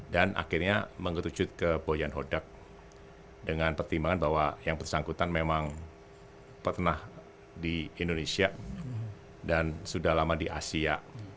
dan akhirnya mengerucut ke boyan hodak dengan pertimbangan bahwa yang bersangkutan memang pernah di indonesia dan sudah lama di asia